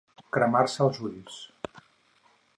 Cremar-se els ulls.